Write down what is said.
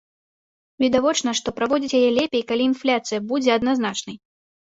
Відавочна, што праводзіць яе лепей, калі інфляцыя будзе адназначнай.